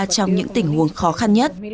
trong những tình huống khó khăn nhất